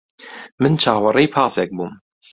من چاوەڕێی پاسێک بووم.